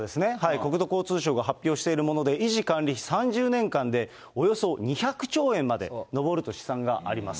国土交通省が発表しているもので、維持・管理費、３０年間で、およそ２００兆円まで上ると試算があります。